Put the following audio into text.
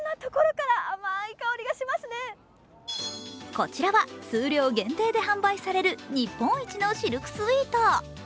こちらは、数量限定で販売される日本一のシルクスイート。